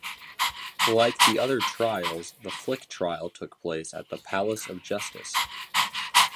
Like the other trials, the Flick trial took place at the Palace of Justice.